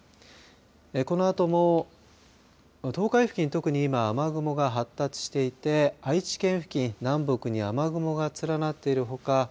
このあとも東海付近、特に今雨雲が発達していて愛知県付近南北に雨雲が連なっているほか